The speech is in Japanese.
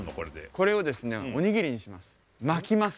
これをですねおにぎりにします